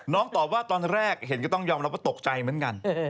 ตอบว่าตอนแรกเห็นก็ต้องยอมรับว่าตกใจเหมือนกัน